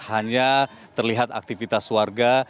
hanya terlihat aktivitas warga